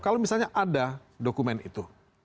kalau misalnya ada dokumen itu